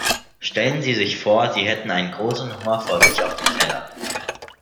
Stellen Sie sich vor, Sie hätten einen großen Hummer vor sich auf dem Teller.